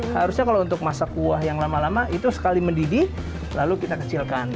harusnya kalau untuk masak kuah yang lama lama itu sekali mendidih lalu kita kecilkan